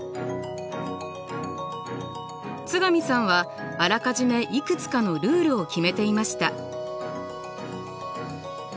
津上さんはあらかじめいくつかのルールを決めていました。